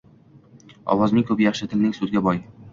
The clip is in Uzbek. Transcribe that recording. Ovozing ko‘p yaxshi, tiling so‘zga boy